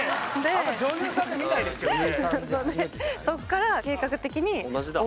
あんま女優さんで見ないですけどね